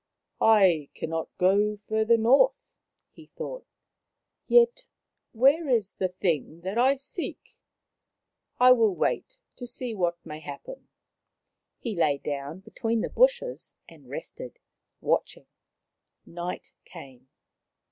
I cannot go further north," he thought. Yet, where is the thing I seek ? I will wait, to see what may happen." He lay down between the bushes and rested, watching. Night came.